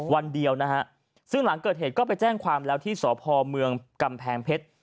วันเดียวนะฮะซึ่งหลังเกิดเหตุก็ไปแจ้งความแล้วที่สพเมืองกำแพงเพชร